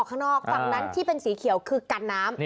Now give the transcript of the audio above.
ฝั่งนั้นที่เป็นสีเขียวคือกัดน้ำ